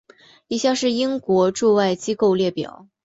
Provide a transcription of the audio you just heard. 以下是英国驻外机构列表。